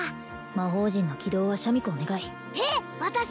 魔方陣の起動はシャミ子お願いえっ私！？